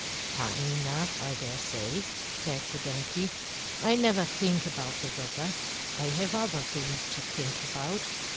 "Fine enough, I dare say!" said the donkey. "I never think about the weather. I have other things to think about."